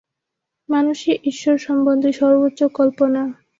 মানুষই ঈশ্বর সম্বন্ধে সর্বোচ্চ কল্পনা।